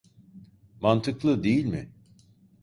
Mantıklı, değil mi?